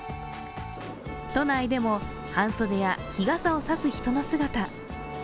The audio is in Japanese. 都内でも半袖や日傘を差す人の姿。